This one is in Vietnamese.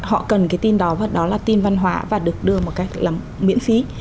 bạn cần cái tin đó và đó là tin văn hóa và được đưa một cách rất là miễn phí